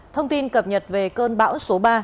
thông tin cập nhật về cơn bão số ba